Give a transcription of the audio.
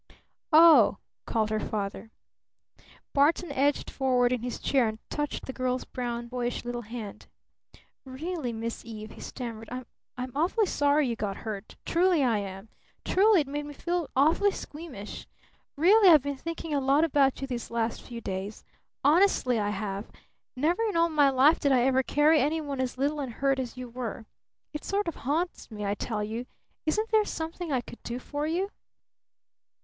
"O h," called her father. Barton edged forward in his chair and touched the girl's brown, boyish little hand. "Really, Miss Eve," he stammered, "I'm awfully sorry you got hurt! Truly I am! Truly it made me feel awfully squeamish! Really I've been thinking a lot about you these last few days! Honestly I have! Never in all my life did I ever carry any one as little and hurt as you were! It sort of haunts me, I tell you. Isn't there something I could do for you?"